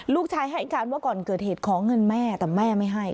ลูกชายให้การว่าก่อนเกิดเหตุขอเงินแม่แต่แม่ไม่ให้